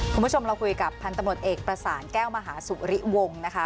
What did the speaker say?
คุณผู้ชมเราคุยกับพันธุ์ตำรวจเอกประสานแก้วมหาสุริวงศ์นะคะ